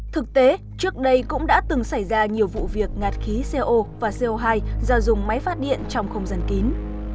thực tế trước đây cũng đã từng xảy ra nhiều vụ việc ngạt khí co và co hai do dùng máy phát điện trong không gian kín